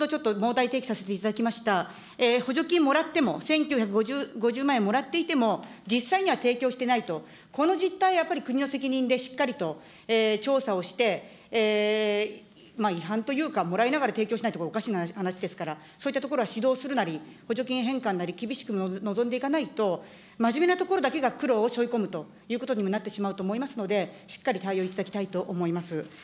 先ほどちょっと補助金もらっても、１９５０万円もらっていても、実際には提供していないと、この実態は、やっぱり国の責任でしっかりと調査をして、違反というか、もらいながら提供しないって、これ、おかしな話ですから、そういったところは指導するなり、補助金返還なり、厳しく臨んでいかないと、まじめなところだけが苦労をしょいこむということにもなってしまうと思いますので、しっかり対応いただきたいと思います。